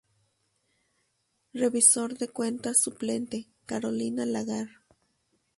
Revisor de cuentas suplente: Carolina Lagar.